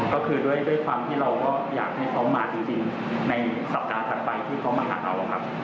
ก็คือด้วยความที่เราก็อยากให้เขามาจริงในสัปดาห์ถัดไปที่เขามาหาเราครับ